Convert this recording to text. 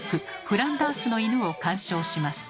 「フランダースの犬」を鑑賞します。